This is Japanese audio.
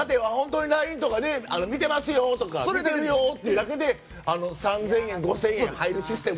ＬＩＮＥとか見てますよって言うだけで３０００円、５０００円入るシステム。